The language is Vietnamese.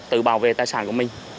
tự bảo vệ tài sản của mình